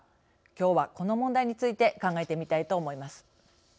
きょうは、この問題について考えてみたいと思います。